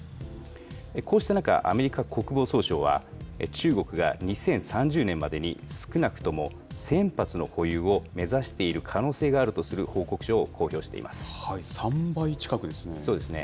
こうした中、アメリカ国防総省は、中国が２０３０年までに、少なくとも１０００発の保有を目指している可能性があるとする報３倍近くですね。